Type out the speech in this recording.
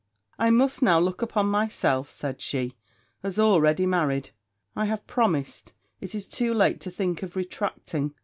'I must now look upon myself,' said she, 'as already married: I have promised it is too late to think of retracting.